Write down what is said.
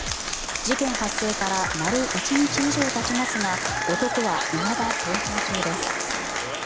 事件発生から丸１日以上たちますが男はいまだ逃走中です。